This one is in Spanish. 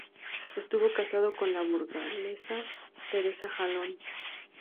Estuvo casado con la burgalesa Teresa Jalón.